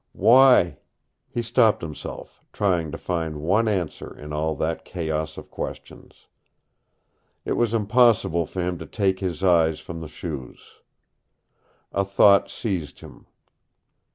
Why He stopped himself, trying to find some one answer in all that chaos of questions. It was impossible for him to take his eyes from the shoes. A thought seized him.